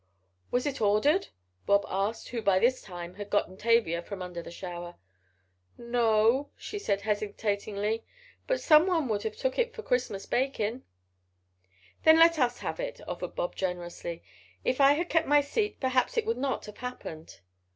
"Was it ordered?" Bob asked, who by this time had gotten Tavia from under the shower. "No," she said hesitatingly, "but someone would have took it for Christmas bakin'." "Then let us have it," offered Bob, generously. "If I had kept my seat perhaps it would not have happened."